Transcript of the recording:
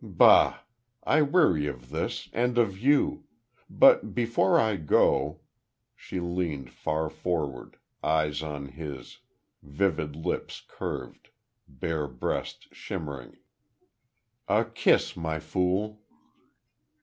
"Bah! I weary of this, and of you.... But before I go," she leaned far forward, eyes on his, vivid lips curved, bare breast shimmering, "a kiss, My Fool!"